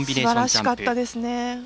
すばらしかったですね。